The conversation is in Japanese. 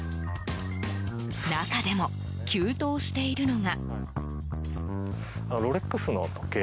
中でも、急騰しているのが。